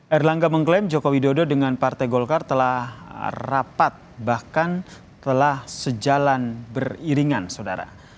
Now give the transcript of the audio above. erlangga mengklaim joko widodo dengan partai golkar telah rapat bahkan telah sejalan beriringan saudara